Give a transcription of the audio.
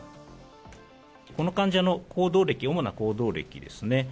この患者の行動歴、主な行動歴ですね。